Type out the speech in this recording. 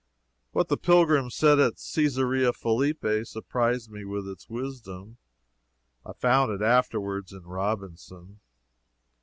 What the pilgrims said at Cesarea Philippi surprised me with its wisdom. I found it afterwards in Robinson.